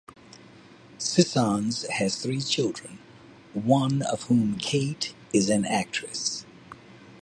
Sissons has three children, one of whom, Kate, is an actress.